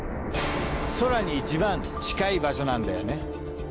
空にいちばん近い場所なんだよね。